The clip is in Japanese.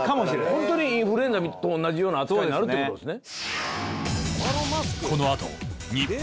ホントにインフルエンザと同じような扱いになるってことですね。